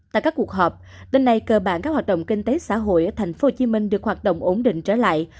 tại các cuộc họp đêm nay cơ bản các hoạt động kinh tế xã hội ở thành phố hồ chí minh được hoạt động ổn định trở lại